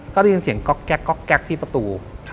ก็ได้ยินเสียงก๊อกแก๊กที่ประตู